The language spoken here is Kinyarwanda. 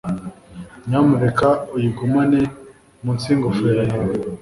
Nyamuneka uyigumane munsi yingofero yawe.